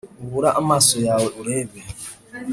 Ubura amaso yawe urebe